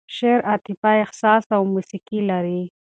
شعر عاطفه، احساس او موسیقي لري.